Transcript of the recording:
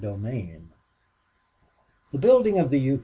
15 The building of the U.